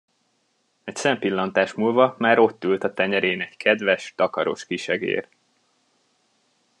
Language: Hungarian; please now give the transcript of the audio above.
Egy szempillantás múlva már ott ült a tenyerén egy kedves, takaros kisegér.